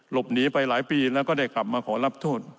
หลบหนีไปหลายปีแล้วก็ได้กลับมาขอรับโทษ